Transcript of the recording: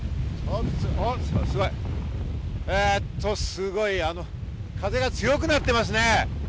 すごい！風が強くなってますね。